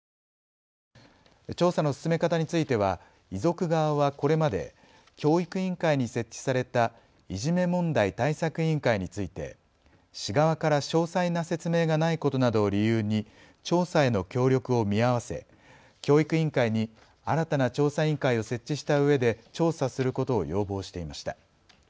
調査の進め方については遺族側はこれまで教育委員会に設置されたいじめ問題対策委員会について市側から詳細な説明がないことなどを理由に調査への協力を見合わせ教育委員会に新たな調査委員会を設置したうえで調査することを要望していました。